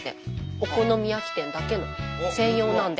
お好み焼き店だけの専用なんで。